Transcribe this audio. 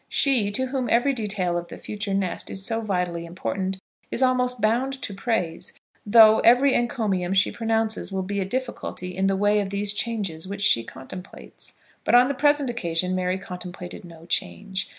She, to whom every detail of the future nest is so vitally important, is almost bound to praise, though every encomium she pronounces will be a difficulty in the way of those changes which she contemplates. But on the present occasion Mary contemplated no change.